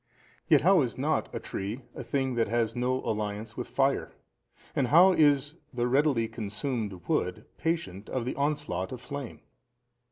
Yet how is not a tree a thing that has no alliance with fire? and how is the readily consumed wood patient of the onslaught of flame?